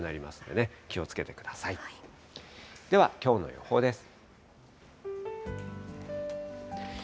では、きょうの予報です。